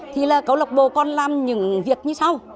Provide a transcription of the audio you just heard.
thì là câu lạc bộ còn làm những việc như sau